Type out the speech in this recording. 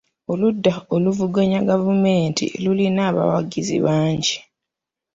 Oludda oluvuganya gavumenti lulina abawagizi bangi.